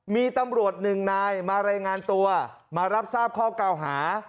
มีตำรวจหนึ่งนายมารายงานตัวมารับทราบข้อเก่าหา